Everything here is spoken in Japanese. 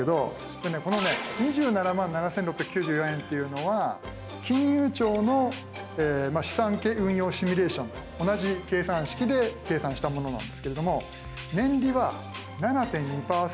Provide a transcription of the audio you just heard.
でねこのね２７万７，６９４円っていうのは金融庁の資産運用シミュレーションと同じ計算式で計算したものなんですけれども年利は７．２％で計算してるんですね。